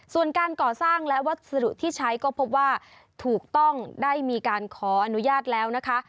ส่วนการก่อสร้างและวัสดุที่ใช้ก็พบว่าถูกต้องได้มีการขออนุญาตแล้วนะคะ